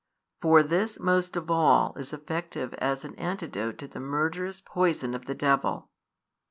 For this most of all is effective as an antidote to the murderous poison of the devil.